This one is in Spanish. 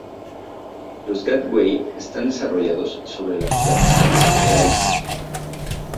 Los gateway están desarrollados sobre la plataforma Linux.